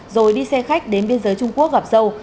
rồi đi xe khách đến biên giới trung quốc gặp sâu